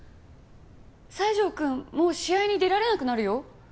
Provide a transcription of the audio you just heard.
西条くんもう試合に出られなくなるよ。